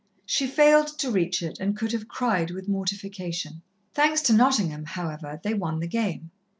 She failed to reach it, and could have cried with mortification. Thanks to Nottingham, however, they won the game.